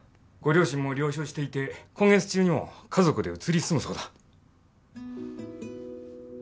ご両親も了承していて今月中にも家族で移り住むそうだ。